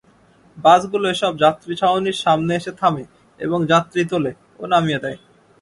বাসগুলো এসব যাত্রীছাউনির সামনে এসে থামে এবং যাত্রী তোলে ও নামিয়ে দেয়।